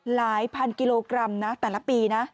หลายพันกิโลกรัมนะแต่ละปีนะ